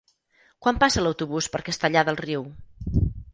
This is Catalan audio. Quan passa l'autobús per Castellar del Riu?